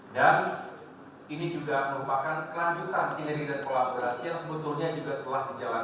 dan ini juga merupakan kelanjutan sinergi dan kolaborasi yang sebetulnya juga telah ditemukan